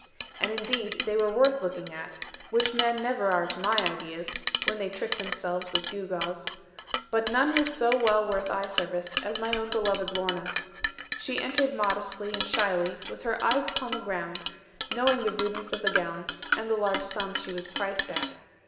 And indeed they were worth looking at (which men never are to my ideas, when they trick themselves with gewgaws), but none was so well worth eye service as my own beloved Lorna. She entered modestly and shyly, with her eyes upon the ground, knowing the rudeness of the gallants, and the large sum she was priced at.